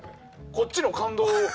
こっちの感動を。